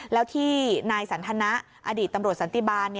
แล้วที่นายสันทนะอดีตตำรวจสันติบาล